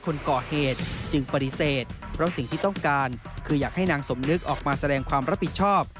คืออยากให้นางสมนึกออกมาแสดงความรับผิดชอบ